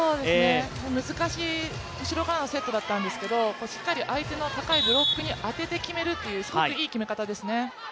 難しい後ろからのセットだったんですけどしっかり相手の高いブロックに当てて決めるっていうすごくいい決め方ですね。